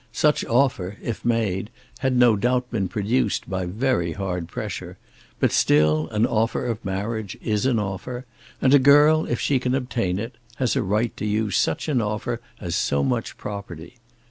Such offer, if made, had no doubt been produced by very hard pressure; but still an offer of marriage is an offer, and a girl, if she can obtain it, has a right to use such an offer as so much property.